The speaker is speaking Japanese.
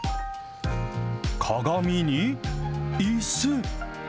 鏡に、いす。